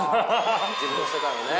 自分の世界をね。